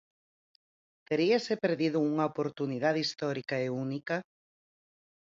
Teríase perdido unha oportunidade histórica e única?